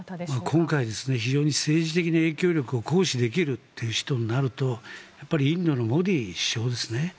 今回、非常に政治的に影響力を行使できる人となるとインドのモディ首相ですね。